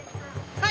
はい！